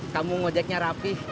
kamu ngonjeknya rapih